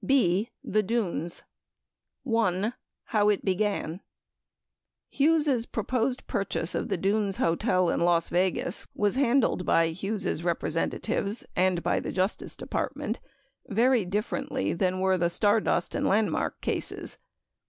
B. The Dtjnes 1. HOW IT BEGAN Hughes' proposed purchase of the Dunes Hotel in Las Vegas was handled by Hughes' representatives and by the Justice Department very differently than were the Stardust and Landmark cases.